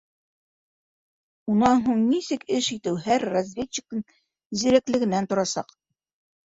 Унан һуң нисек эш итеү һәр разведчиктың зирәклегенән торасаҡ.